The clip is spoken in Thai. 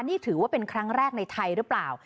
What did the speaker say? นี่ถือว่าเป็นครั้งแรกในไทยหรือเปล่า